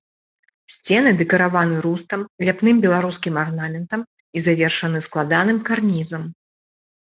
Сцены дэкарыраваны рустам, ляпным беларускім арнаментам і завершаны складаным карнізам.